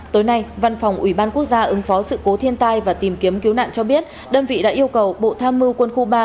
tối nay văn phòng ủy ban quốc gia ứng phó sự cố thiên tai và tìm kiếm cứu nạn cho biết đơn vị đã yêu cầu bộ tham mưu quân khu ba